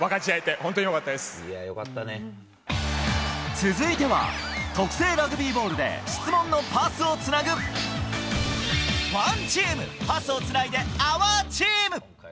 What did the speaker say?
続いては特製ラグビーボールで質問のパスをつなぐ、ＯＮＥＴＥＡＭ、パスをつないでＯＵＲＴＥＡＭ。